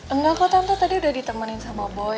enggak kok tante tadi udah ditemenin sama boy